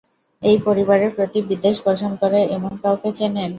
এই পরিবারের প্রতি বিদ্বেষ পোষণ করে এমন কাউকে চেনেন?